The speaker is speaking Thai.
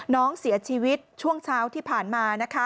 น้องเสียชีวิตช่วงเช้าที่ผ่านมานะคะ